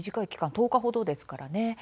１０日ほどですからね。